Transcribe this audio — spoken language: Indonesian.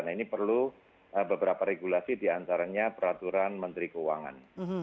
nah ini perlu beberapa regulasi diantaranya peraturan menteri keuangan